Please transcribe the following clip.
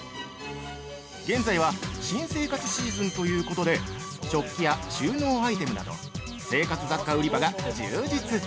現在は、新生活シーズンということで食器や収納アイテムなど生活雑貨売り場が充実。